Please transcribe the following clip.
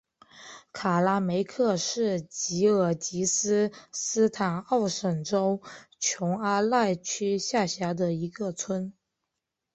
卡拉梅克是吉尔吉斯斯坦奥什州琼阿赖区下辖的一个村。